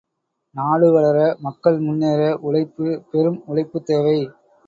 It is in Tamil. நாடு வளர, மக்கள் முன்னேற, உழைப்பு, பெரும் உழைப்புத் தேவை.